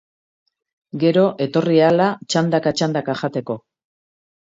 Gero, etorri ahala, txandaka-txandaka jateko.